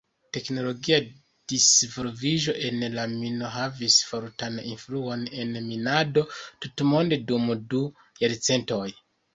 Teknologia disvolviĝo en la mino havis fortan influon en minado tutmonde dum du jarcentoj.